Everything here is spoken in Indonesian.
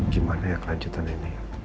gimana ya kelanjutan ini